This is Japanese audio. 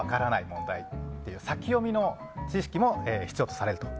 問題っていう先読みの知識も必要とされる。